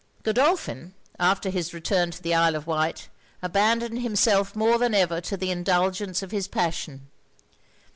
Godolphin, after his return to the Isle of Wight, abandoned himself more than ever to the indulgence of his passion.